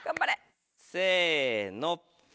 せの。